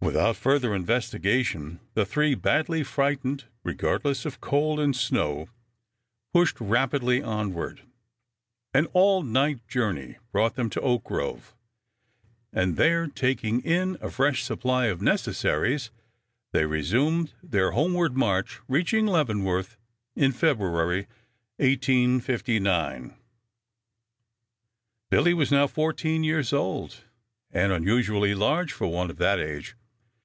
Without further investigation the three, badly frightened, regardless of cold and snow, pushed rapidly onward. An all night journey brought them to Oak Grove, and there taking in a fresh supply of necessaries they resumed their homeward march, reaching Leavenworth in February, 1859. Billy was now fourteen years old, and unusually large for one of that age.